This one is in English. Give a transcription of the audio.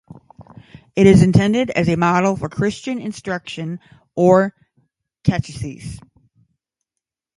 It is intended as a model for Christian instruction or catechesis.